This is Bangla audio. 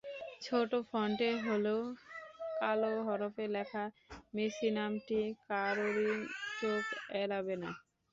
ছোট ফন্টে হলেও কালো হরফে লেখা মেসি নামটি কারোরই চোখ এড়াবে না।